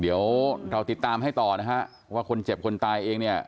เดี๋ยวเราติดตามให้ต่อนะฮะว่าคนเจ็บคนตายเองเนี่ย